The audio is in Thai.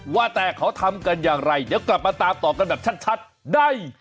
ว่าแต่เขาทำกันอย่างไรเดี๋ยวกลับมาตามต่อกันแบบชัดได้